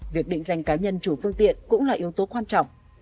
việc định danh cá nhân chủ phương tiện cũng là yếu tố quan trọng